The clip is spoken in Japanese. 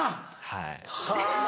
はい。